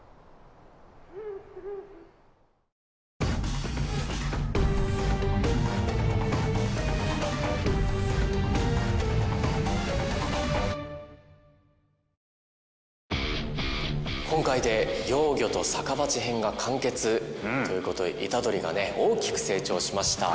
ホォーホォー今回で「幼魚と逆罰編」が完結ということで虎杖がね大きく成長しました。